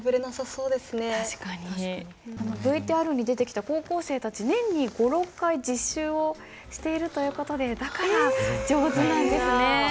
ＶＴＲに出てきた高校生たち年に５６回実習をしているという事でだから上手なんですね。